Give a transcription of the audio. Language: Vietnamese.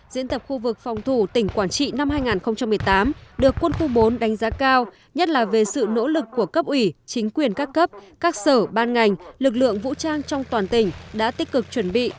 diễn tập khu vực phòng thủ tỉnh quảng trị năm hai nghìn một mươi tám được quân khu bốn đánh giá cao nhất là về sự nỗ lực của cấp ủy chính quyền các cấp các sở ban ngành lực lượng vũ trang trong toàn tỉnh đã tích cực chuẩn bị